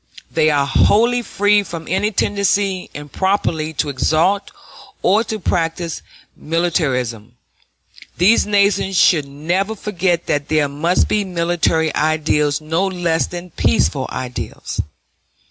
They are wholly free from any tendency improperly to exalt or to practice militarism. These nations should never forget that there must be military ideals no less than peaceful ideals.